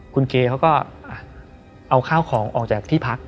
คุณเกเขาก็เอาข้าวของออกจากที่พัก